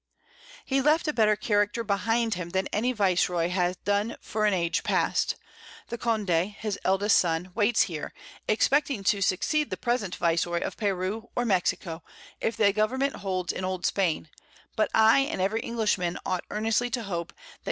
He left a better Character behind him than any Vice roy had done for an Age past. The Conde, his eldest Son, waits here, expecting to succeed the present Vice roy of Peru or Mexico, if the Government holds in Old Spain; but I and every Englishman ought earnestly to hope, that K.